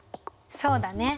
そうだね。